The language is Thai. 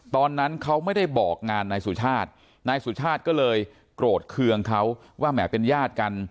ตอนนั้นเขาไม่ได้บอกงานนายสุชาตินายสุชาติก็เลยโกรธเคืองเขาว่าแหมเป็นญาติกัน